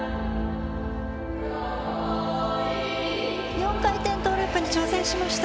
４回転トーループに挑戦しました。